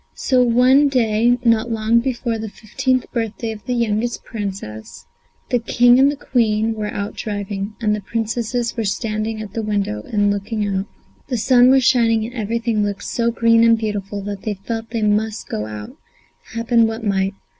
So one day, not long before the fifteenth birthday of the youngest Princess, the King and the Queen were out driving, and the Princesses were standing at the window and looking out. The sun was shining, and everything looked so green and beautiful that they felt that they must go out, happen what might.